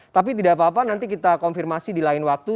tapi tidak apa apa nanti kita konfirmasi di lain waktu